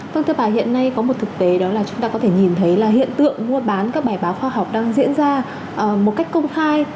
vâng thưa bà hiện nay có một thực tế đó là chúng ta có thể nhìn thấy là hiện tượng mua bán các bài báo khoa học đang diễn ra một cách công khai